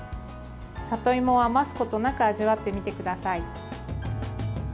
里芋を余すことなく味わってみてください。